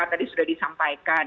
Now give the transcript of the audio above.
tadi sudah disampaikan